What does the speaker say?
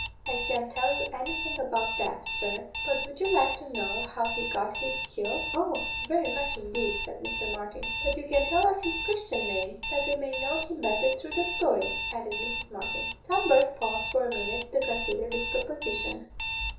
I can't tell you anything about that, sir. But would you like to know how he got his skill?" "Oh! very much, indeed," said Mr. Martin. "But you can tell us his Christian name, that we may know him better through the story," added Mrs. Martin. Tom Bourke paused for a minute to consider this proposition.